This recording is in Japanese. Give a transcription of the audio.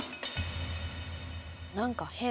何か変。